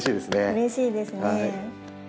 うれしいですね。